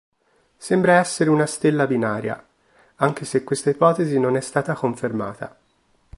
Sembra essere una stella binaria, anche se questa ipotesi non è stata confermata.